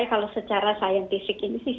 kalau secara saintifik ini sih